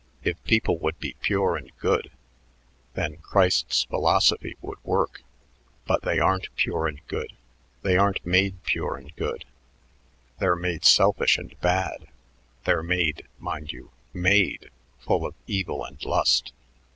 If people would be pure and good, then Christ's philosophy would work, but they aren't pure and good; they aren't made pure and good, they're made selfish, and bad: they're made, mind you, made full of evil and lust.